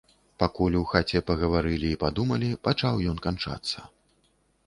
Пакуль у хаце пагаварылі і падумалі, пачаў ён канчацца.